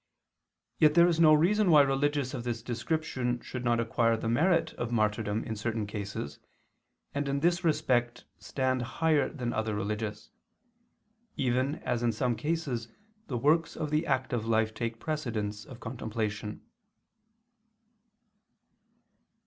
Yet there is no reason why religious of this description should not acquire the merit of martyrdom in certain cases, and in this respect stand higher than other religious; even as in some cases the works of the active life take precedence of contemplation.